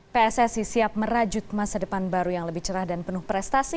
pssi siap merajut masa depan baru yang lebih cerah dan penuh prestasi